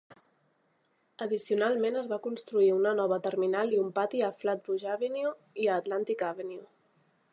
Addicionalment es va construir una nova terminal i un pati a Flatbush Avenue i Altantic Avenue.